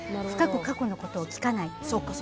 深く過去のことを聞かない。